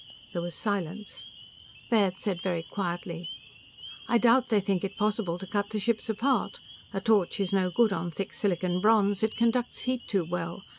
_" There was silence. Baird said very quietly: "I doubt they think it possible to cut the ships apart. A torch is no good on thick silicon bronze. It conducts heat too well!